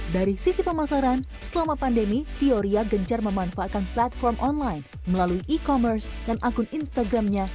dari sisi pemasaran selama pandemi teoria gencar memanfaatkan platform online melalui e commerce dan akun instagramnya